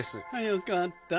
よかった。